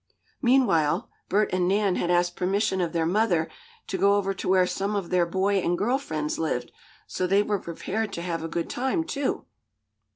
Meanwhile, Bert and Nan had asked permission of their mother to go over to where some of their boy and girl friends lived, so they were prepared to have a good time, too.